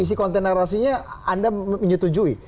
isi konten narasinya anda menyetujui